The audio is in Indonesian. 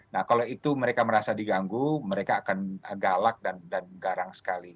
nah kalau itu mereka merasa diganggu mereka akan galak dan garang sekali